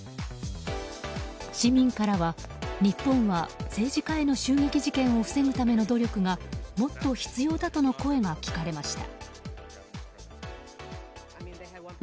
市民からは、日本は政治家への襲撃事件を防ぐための努力がもっと必要だとの声が聞かれました。